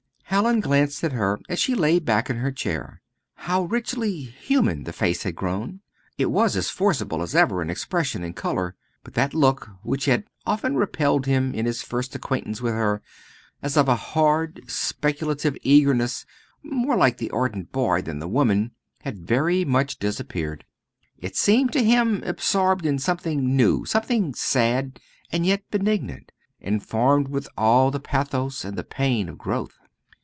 Hallin glanced at her as she lay back in her chair. How richly human the face had grown! It was as forcible as ever in expression and colour, but that look which had often repelled him in his first acquaintance with her, as of a hard speculative eagerness more like the ardent boy than the woman, had very much disappeared. It seemed to him absorbed in something new something sad and yet benignant, informed with all the pathos and the pain of growth.